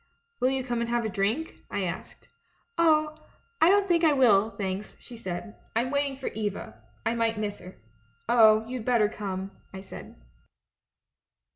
'Will you come and have a drink?' I asked. " 'Oh, I don't think I will, thanks,' she said. 'I'm waiting for Eva — I might miss her.' " 'Oh, you'd better come,' I said.